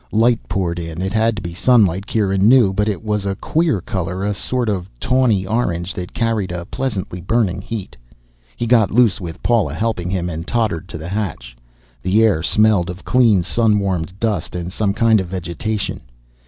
Light poured in. It had to be sunlight, Kieran knew, but it was a queer color, a sort of tawny orange that carried a pleasantly burning heat. He got loose with Paula helping him and tottered to the hatch. The air smelled of clean sun warmed dust and some kind of vegetation.